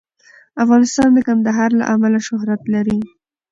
افغانستان د کندهار له امله شهرت لري.